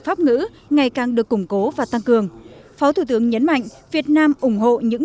pháp ngữ ngày càng được củng cố và tăng cường phó thủ tướng nhấn mạnh việt nam ủng hộ những